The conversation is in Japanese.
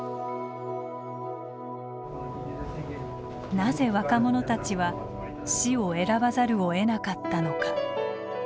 なぜ若者たちは死を選ばざるをえなかったのか。